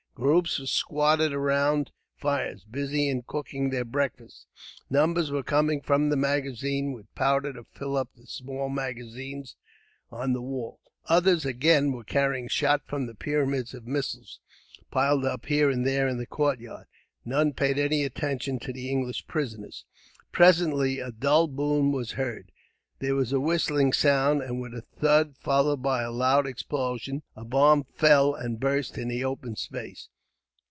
Groups were squatted round fires, busy in cooking their breakfasts. Numbers were coming from the magazine, with powder to fill up the small magazines on the walls. Others, again, were carrying shot from the pyramids of missiles, piled up here and there in the courtyard. None paid any attention to the English prisoners. Presently a dull boom was heard. There was a whistling sound; and with a thud, followed by a loud explosion, a bomb fell and burst in the open space.